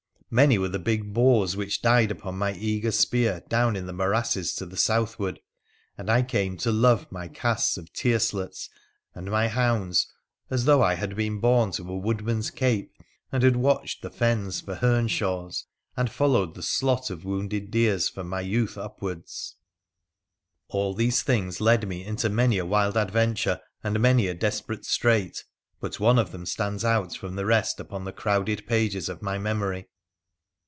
Many were the big boars which died upon my eager spear down in the morasses to the southward, and I came to love my casts of tiercelets and my hounds as though I had been born to a woodman's cape and had watched the fens for hernshaws and followed the slot of wounded deers from my youth upwards. All these things led me into many a wild adventure and many a desperate strait ; but one of them stands out from tha rest upon the crowded pages of my memory.